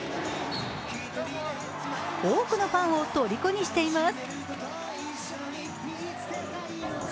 多くのファンをとりこにしています。